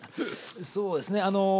そうですね。